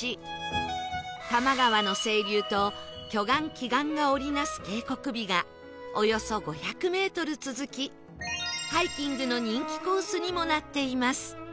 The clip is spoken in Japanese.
多摩川の清流と巨岩奇岩が織り成す渓谷美がおよそ５００メートル続きハイキングの人気コースにもなっています